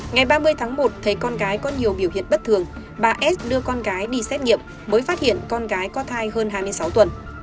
ngày ba mươi tháng một thấy con gái có nhiều biểu hiện bất thường bà s đưa con gái đi xét nghiệm mới phát hiện con gái có thai hơn hai mươi sáu tuần